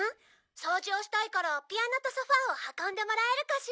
「掃除をしたいからピアノとソファを運んでもらえるかしら？」